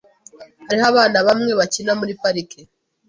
Hariho abana bamwe bakina muri parike.